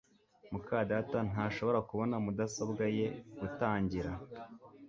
muka data ntashobora kubona mudasobwa ye gutangira